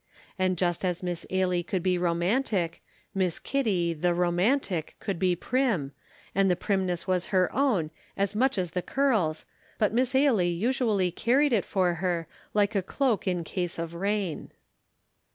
And just as Miss Ailie could be romantic, Miss Kitty, the romantic, could be prim, and the primness was her own as much as the curls, but Miss Ailie usually carried it for her, like a cloak in case of rain.